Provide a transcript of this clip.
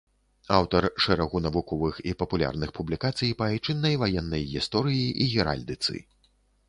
Аўтар шэрагу навуковых і папулярных публікацый па айчыннай ваеннай гісторыі і геральдыцы.